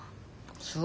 そう。